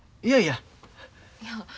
いやいや。